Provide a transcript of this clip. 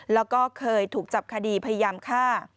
แล้วก็เคยถูกจับคดีพยายามฆ่า